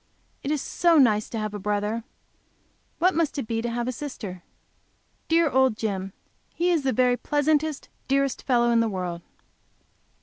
If it is so nice to have a brother, what must it be to have a sister! Dear old Jim! He is the very pleasantest, dearest fellow in the world!